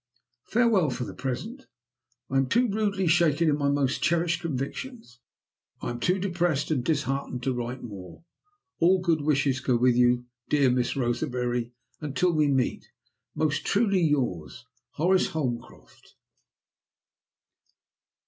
_ "Farewell for the present. I am too rudely shaken in my most cherished convictions, I am too depressed and disheartened, to write more. All good wishes go with you, dear Miss Roseberry, until we meet. "Most truly yours, "HORACE HOLMCROFT."